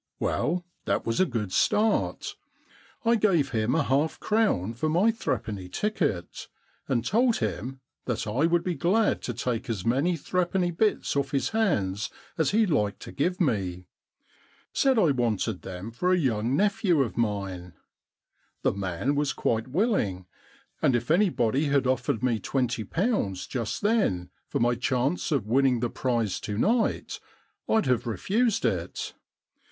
Well, that was a very good start. I gave him a half crown for my threepenny ticket and told him that I would be glad to take as many threepenny bits off his hands as he liked to give me. Said I wanted them for a young 191 The Problem Club nephew of mine. The man was quite willing, and if anybody had offered me twenty pounds just then for my chance of winning the prize to night rd have refused it.